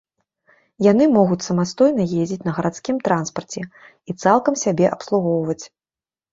Яны могуць самастойна ездзіць на гарадскім транспарце і цалкам сябе абслугоўваць.